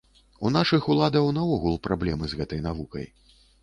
У нашых уладаў наогул праблемы з гэтай навукай.